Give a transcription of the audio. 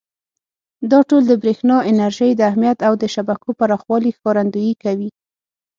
دا ټول د برېښنا انرژۍ د اهمیت او د شبکو پراخوالي ښکارندویي کوي.